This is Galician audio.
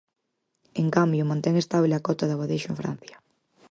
En cambio, mantén estábel a cota de abadexo en Francia.